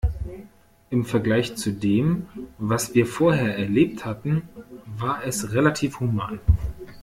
Im Vergleich zu dem, was wir vorher erlebt hatten, war es relativ human.